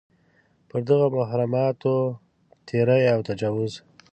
پر دغو محرماتو تېری او تجاوز.